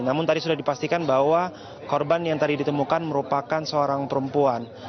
namun tadi sudah dipastikan bahwa korban yang tadi ditemukan merupakan seorang perempuan